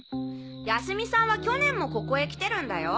泰美さんは去年もここへ来てるんだよ？